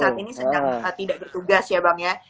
saat ini sedang tidak bertugas ya bang ya